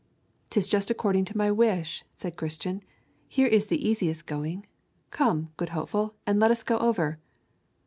''Tis just according to my wish,' said Christian; 'here is the easiest going. Come, good Hopeful, and let us go over.'